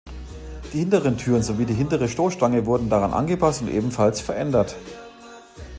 Die hinteren Türen sowie die hintere Stoßstange wurden daran angepasst und ebenfalls verändert.